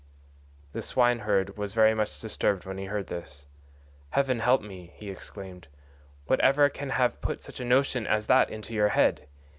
The swineherd was very much disturbed when he heard this. "Heaven help me," he exclaimed, "what ever can have put such a notion as that into your head?